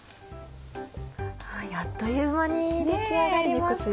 あっという間に出来上がりましたね。